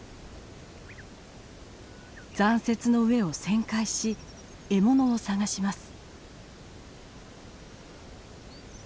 残雪の上を旋回し獲物を探します。